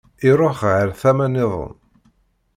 Iruḥ ɣer tama nniḍen.